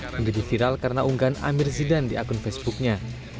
menjadi viral karena unggahan amir zidan di akun facebooknya